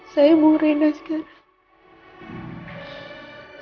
saya mau re inna sekarang